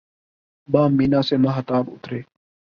بام مینا سے ماہتاب اترے